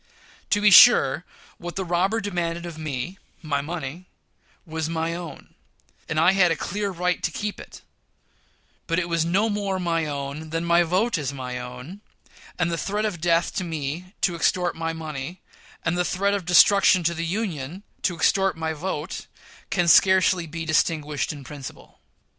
To be sure, what the robber demanded of me my money was my own, and I had a clear right to keep it; but it was no more my own than my vote is my own; and the threat of death to me, to extort my money, and the threat of destruction to the Union, to extort my vote, can scarcely be distinguished in principle.